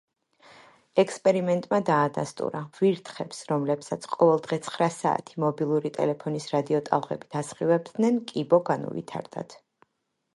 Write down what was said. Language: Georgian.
ექსპერიმენტმა დაადასტურა, ვირთხებს, რომლებსაც ყოველდღე ცხრა საათი მობილური ტელეფონის რადიოტალღებით ასხივებდნენ, კიბო განუვითარდათ.